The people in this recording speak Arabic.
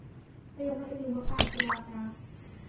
فيومئذ وقعت الواقعة